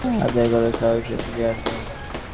যাঁরা দেন না, তাঁদের কাছ থেকে আদায় করার সাহস এনবিআরের নেই।